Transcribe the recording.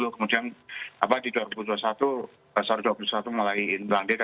kemudian di dua ribu dua puluh satu pasar dua ribu dua puluh satu mulai in blinded